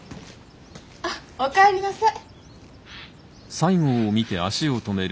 あっお帰りなさい。